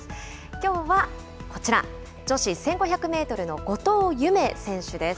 きょうはこちら、女子１５００メートルの後藤夢選手です。